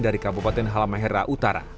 dari kabupaten halamahera utara